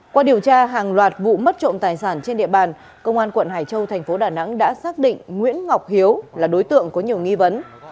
qua điều tra hàng loạt vụ mất trộm tài sản trên địa bàn công an quận hải châu thành phố đà nẵng đã xác định nguyễn ngọc hiếu là đối tượng có nhiều nghi vấn